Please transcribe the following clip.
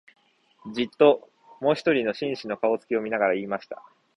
じっと、もひとりの紳士の、顔つきを見ながら言いました